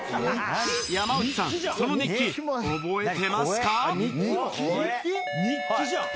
山内さん、その日記、覚えてます日記じゃん。